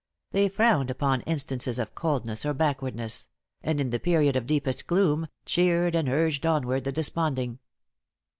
They frowned upon instances of coldness or backwardness; and in the period of deepest gloom, cheered and urged onward the desponding.